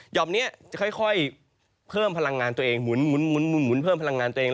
หย่อมนี้จะค่อยเพิ่มพลังงานตัวเองหมุนพลังงานตัวเอง